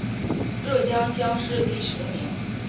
浙江乡试第十名。